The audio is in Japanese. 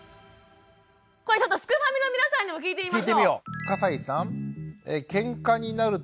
これちょっとすくファミの皆さんにも聞いてみましょう。